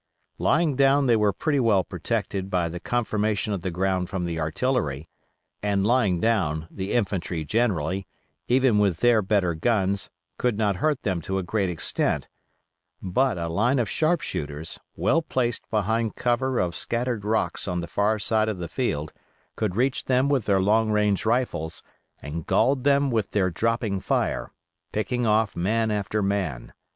Lying down they were pretty well protected by the conformation of the ground from the artillery; and lying down, the infantry generally, even with their better guns, could not hurt them to a great extent; but a line of sharp shooters, well placed behind cover of scattered rocks on the far side of the field, could reach them with their long range rifles, and galled them with their dropping fire, picking off man after man.